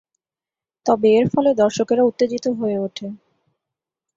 তবে এর ফলে দর্শকেরা উত্তেজিত হয়ে ওঠে।